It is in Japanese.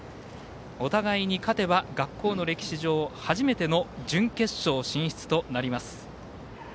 お互い勝てば学校の歴史上初めての準決勝進出となります。